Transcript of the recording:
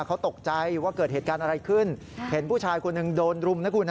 เขาตกใจว่าเกิดเหตุการณ์อะไรขึ้นเห็นผู้ชายคนหนึ่งโดนรุมนะคุณ